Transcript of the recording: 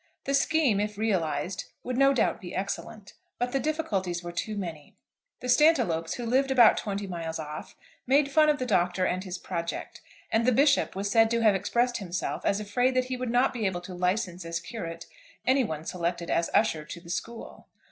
The scheme, if realised, would no doubt be excellent, but the difficulties were too many. The Stantiloups, who lived about twenty miles off, made fun of the Doctor and his project; and the Bishop was said to have expressed himself as afraid that he would not be able to license as curate any one selected as usher to the school.